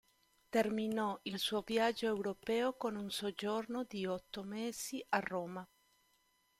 Terminò il suo viaggio europeo con un soggiorno di otto mesi a Roma.